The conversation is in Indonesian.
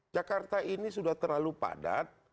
jakarta ini sudah terlalu padat